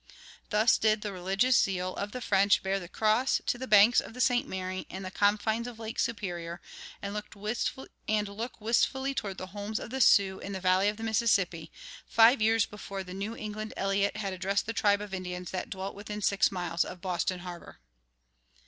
"Thus did the religious zeal of the French bear the cross to the banks of the St. Mary and the confines of Lake Superior, and look wistfully toward the homes of the Sioux in the valley of the Mississippi, five years before the New England Eliot had addressed the tribe of Indians that dwelt within six miles of Boston harbor."